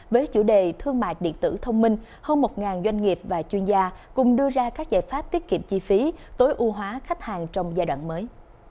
với chủ đề thương mại điện tử thông minh hơn một doanh nghiệp và chuyên gia cùng đưa ra các giải pháp tiết kiệm chi phí tối ưu hóa khách hàng trong giai đoạn mới